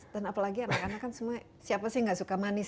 dan apalagi anak anak kan semua siapa sih nggak suka manis